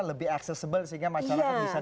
lebih accessible sehingga masyarakat bisa dengan cepat